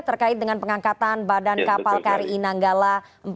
terkait dengan pengangkatan badan kapal kri nanggala empat ratus dua